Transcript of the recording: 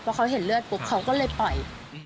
พอเขาเห็นเลือดปุ๊บเขาก็เลยปล่อย